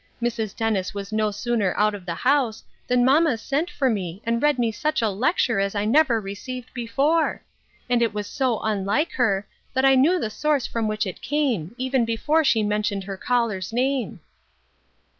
Mrs. Dennis was no sooner out of the house than mamma sent for me, and read me such a lecture as I never received before ; and it was so unlike her, that I knew the source from which it came, even before she mentioned her caller's name."